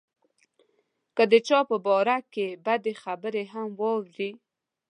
که د چا په باره کې بدې خبرې هم واوري.